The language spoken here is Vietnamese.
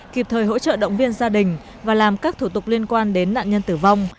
kịp thời hỗ trợ động viên gia đình và làm các thủ tục liên quan đến nạn nhân tử vong